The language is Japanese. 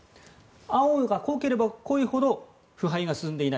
青が濃ければ濃いほど腐敗が進んでいない